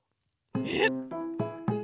えっ？